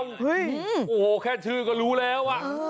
โอ้โหแค่ชื่อก็รู้แล้ว